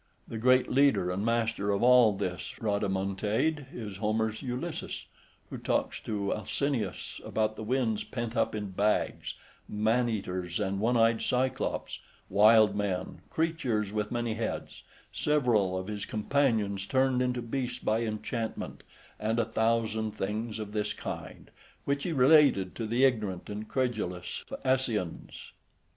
The great leader and master of all this rhodomontade is Homer's "Ulysses," who talks to Alcinous about the winds pent up in bags, man eaters, and one eyed Cyclops, wild men, creatures with many heads, several of his companions turned into beasts by enchantment, and a thousand things of this kind, which he related to the ignorant and credulous Phaeacians.